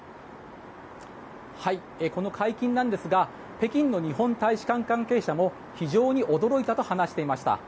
この解禁なんですが北京の日本大使館関係者も非常に驚いたと話していました。